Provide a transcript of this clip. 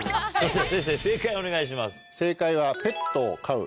先生正解お願いします。